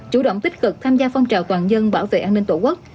chủ động tích cực tham gia phong trào toàn dân bảo vệ an ninh tổ quốc